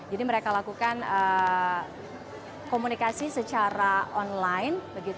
jadi mereka lakukan komunikasi secara online